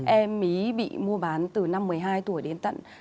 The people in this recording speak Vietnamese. em ấy bị mua bán từ năm một mươi hai tuổi đến tận hai mươi